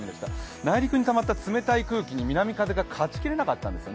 内陸にたまった冷たい空気に勝ちきれなかったんですよね。